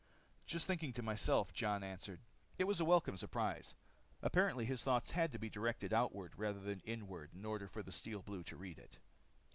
"Just thinking to myself," Jon answered. It was a welcome surprise. Apparently his thoughts had to be directed outward, rather than inward, in order for the Steel Blues to read it.